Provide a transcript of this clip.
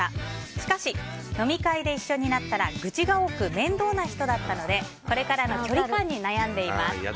しかし飲み会で一緒になったら愚痴が多く、面倒な人だったのでこれからの距離感に悩んでいます。